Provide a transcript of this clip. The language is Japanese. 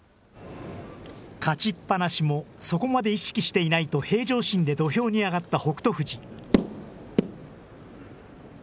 勝ちっぱなしもそこまで意識していないと平常心で土俵に上がった北勝富士。